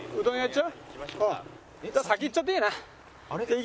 じゃあ先行っちゃっていいな。